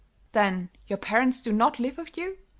"Then your parents do not live with you?"